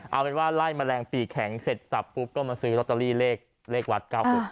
เอาเป็นว่าไล่แมลงปีแข็งเสร็จสับปุ๊บก็มาซื้อลอตเตอรี่เลขวัด๙๖๙